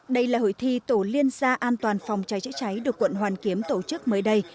đây là hội thi tổ liên gia an toàn phòng cháy chữa cháy được quận hoàn kiếm tổ chức mới đây